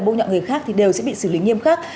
bô nhọ người khác thì đều sẽ bị xử lý nghiêm khắc